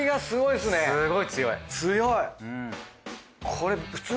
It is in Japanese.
すごい強い。